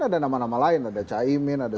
ada nama nama lain ada caimin ada